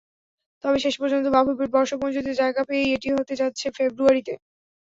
তবে শেষ পর্যন্ত বাফুফের বর্ষপঞ্জিতে জায়গা পেয়েই এটি হতে যাচ্ছে ফেব্রুয়ারিতেই।